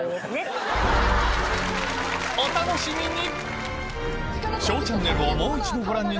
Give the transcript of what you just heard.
お楽しみに！